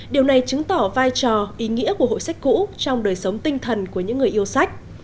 điều này chứng tỏ vai trò ý nghĩa của hội sách cũ trong đời sống tinh thần của những người yêu sách